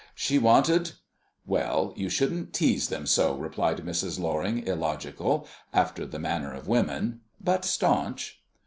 She wanted " "Well, you shouldn't tease them so," replied Mrs. Loring, illogical, after the manner of women, but staunch.